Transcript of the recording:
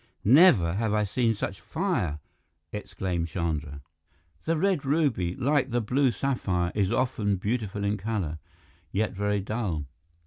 "Never have I seen such fire!" exclaimed Chandra. "The red ruby, like the blue sapphire, is often beautiful in color, yet very dull."